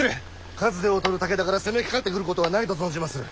数で劣る武田から攻めかかってくることはないと存じまする。